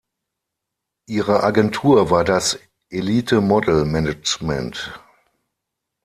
Ihre Agentur war das Elite Model Management.